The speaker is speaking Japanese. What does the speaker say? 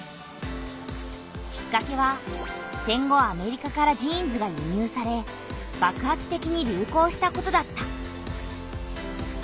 きっかけは戦後アメリカからジーンズが輸入さればくはつてきに流行したことだった。